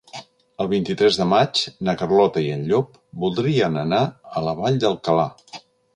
El vint-i-tres de maig na Carlota i en Llop voldrien anar a la Vall d'Alcalà.